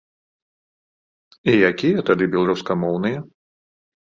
І якія тады беларускамоўныя?